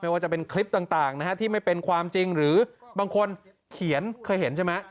ว่าจะเป็นคลิปต่างนะฮะที่ไม่เป็นความจริงหรือบางคนเขียนเคยเห็นใช่ไหม